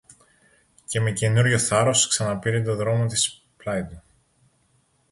Και με καινούριο θάρρος ξαναπήρε το δρόμο της πλάι του.